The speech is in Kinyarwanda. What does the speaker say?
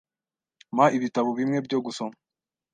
Mpa ibitabo bimwe byo gusoma.